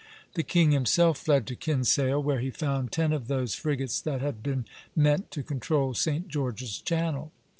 The king himself fled to Kinsale, where he found ten of those frigates that had been meant to control St. George's Channel.